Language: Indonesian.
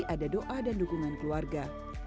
ada doa dan dukungan keluarga